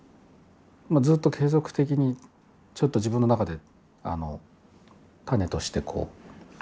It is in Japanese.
ずっと継続的に、ちょっと自分の中で種としてこう。